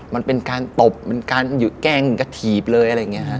มันเป็นการตบมันการหยุดแกล้งกระถีบเลยอะไรอย่างนี้ฮะ